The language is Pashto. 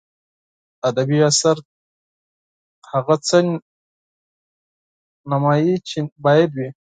ادبي اثر هغه څه نمایي چې باید وي.